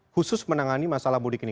khusus menangani masalah mudik ini